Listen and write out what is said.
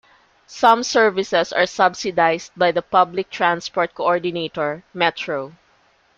Some services are subsidised by the public transport coordinator, Metro.